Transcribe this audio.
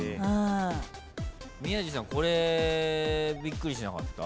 宮司さんこれびっくりしなかった？